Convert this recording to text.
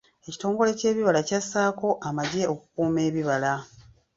Ekitongole ky'ebibira kyassaako amagye okukuuma ebibira.